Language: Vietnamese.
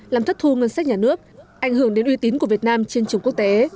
làm thất thu ngân sách nhà nước ảnh hưởng đến uy tín của việt nam trên trường quốc tế